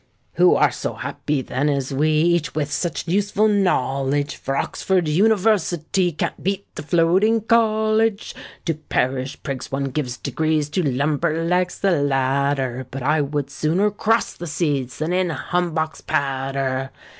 Who are so happy then as we— Each with such useful knowledge? For Oxford University Can't beat the Floating College. To parish prigs one gives degrees, To lumber lags the latter: But I would sooner cross the seas, Than in a humbox patter.